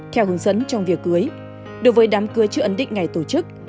theo hướng dẫn trong việc cưới đối với đám cưới chưa ấn định ngày tổ chức